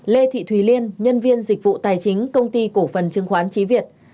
lê thị thùy liên nhân viên dịch vụ tài chính công ty cổ phần chứng khoán trí việt